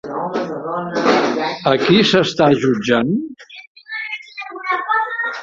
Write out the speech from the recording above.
A qui s'està jutjant?